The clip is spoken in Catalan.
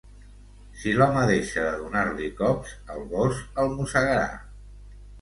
Si l'home deixa de donar-li cops, el gos el mossegarà.